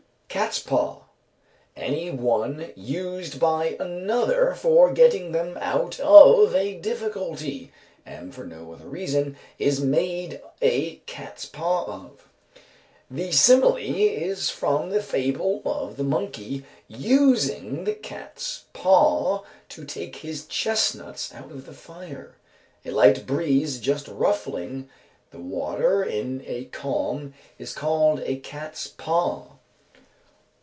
Cat's paw. Any one used by another for getting them out of a difficulty, and for no other reason, is made a cat's paw of. The simile is from the fable of the monkey using the cat's paw to take his chestnuts out of the fire. A light breeze just ruffling the water in a calm is called a cat's paw.